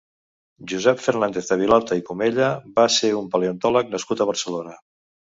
Josep Fernàndez de Villalta i Comella va ser un paleontòleg nascut a Barcelona.